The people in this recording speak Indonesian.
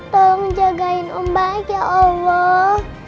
tolong jagain ong baik ya allah